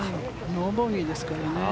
ノーボギーですからね。